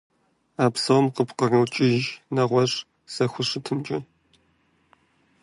А псом къыпкърокӀыж нэгъуэщӀ зэхущытыкӀэ.